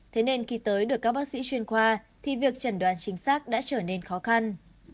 thế nên khi tới được các bác sĩ chuyên khoa thì việc trần đoán chính xác đã trở nên khó khăn